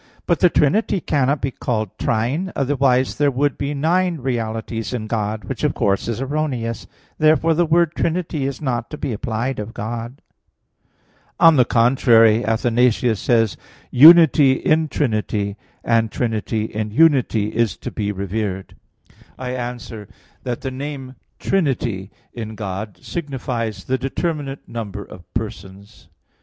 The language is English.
But the Trinity cannot be called trine; otherwise there would be nine realities in God; which, of course, is erroneous. Therefore the word trinity is not to be applied to God. On the contrary, Athanasius says: "Unity in Trinity; and Trinity in Unity is to be revered." I answer that, The name "Trinity" in God signifies the determinate number of persons.